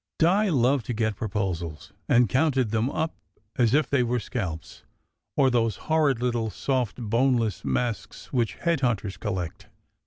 Di loved to get proposals, and counted them up as if they were scalps, or those hor rid little soft, boneless masks which head hunters col lect.